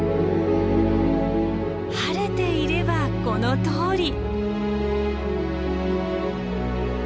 晴れていればこのとおり。